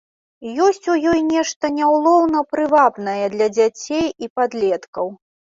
Ёсць у ёй нешта няўлоўна прывабнае для дзяцей і падлеткаў.